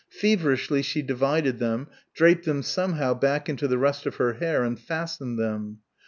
Feverishly she divided them, draped them somehow back into the rest of her hair and fastened them.